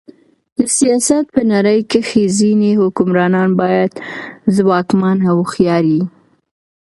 د سیاست په نړۍ کښي ځيني حکمرانان باید ځواکمن او هوښیار يي.